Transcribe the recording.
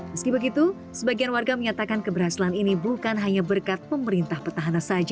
meski begitu sebagian warga menyatakan keberhasilan ini bukan hanya berkat pemerintah petahana saja